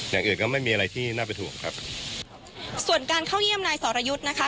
อย่างอื่นก็ไม่มีอะไรที่น่าเป็นห่วงครับส่วนการเข้าเยี่ยมนายสรยุทธ์นะคะ